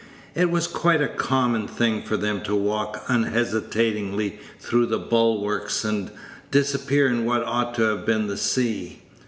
It was quite a common thing for them to walk unhesitatingly through the bulwarks, and disappear in what ought to have been the sea.